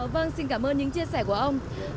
vâng xin cảm ơn những chia sẻ của ông